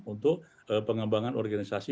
untuk pengembangan organisasi